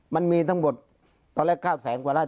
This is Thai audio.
มันมีทั้งหมดตอนแรก๙แสนกว่าไร่